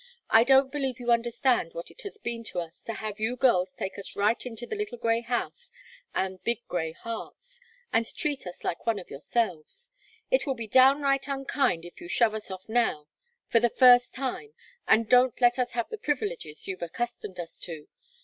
I don't believe you understand what it has been to us to have you girls take us right into the little grey house and big Grey hearts, and treat us like one of yourselves. It will be downright unkind if you shove us off now, for the first time, and don't let us have the privileges you've accustomed us to.